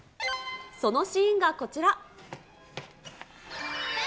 そのシーンがこちら。